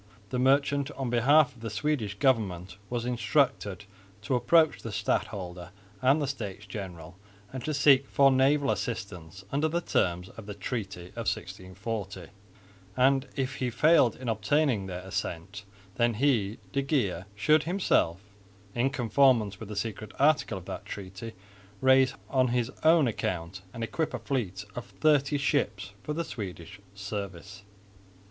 The merchant on behalf of the Swedish government was instructed to approach the stadholder and the States General, and to seek for naval assistance under the terms of the treaty of 1640; and, if he failed in obtaining their assent, then he de Geer should himself (in conformance with the secret article of that treaty) raise on his own account and equip a fleet of thirty ships for the Swedish service.